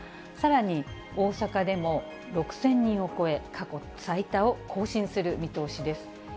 さらに、大阪でも６０００人を超え、過去最多を更新する見通しです。